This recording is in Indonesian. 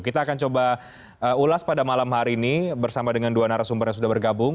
kita akan coba ulas pada malam hari ini bersama dengan dua narasumber yang sudah bergabung